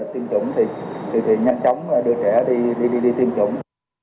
thì nhanh chóng đưa trẻ đi tiêm chủng